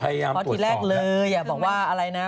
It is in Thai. เพราะทีแรกเลยบอกว่าอะไรนะ